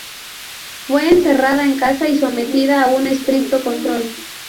Fue encerrada en casa y sometida a un estricto control.